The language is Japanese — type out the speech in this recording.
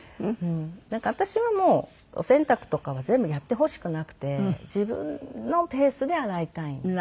なんか私はもうお洗濯とかは全部やってほしくなくて自分のペースで洗いたい。